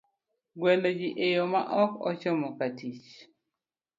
Gwelo Ji e Yo ma Ok ochomo katich,